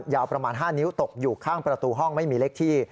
ห้านิ้วตกอยู่ข้างประตูห้องไม่มีเล็กที่